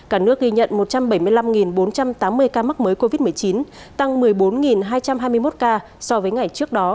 cả nước ghi nhận một trăm bảy mươi năm bốn trăm tám mươi ca mắc mới covid một mươi chín tăng một mươi bốn hai trăm hai mươi một ca so với ngày trước đó